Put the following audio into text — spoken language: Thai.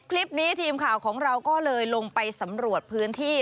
คลิปนี้ทีมข่าวของเราก็เลยลงไปสำรวจพื้นที่